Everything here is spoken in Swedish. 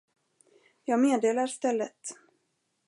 Jag meddelar stället.